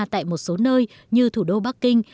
tại một số nơi như thủ đô bắc kinh